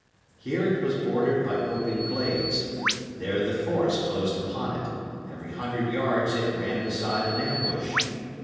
Here it was bordered by open glades; there the forest closed upon it; every hundred yards it ran beside an ambush.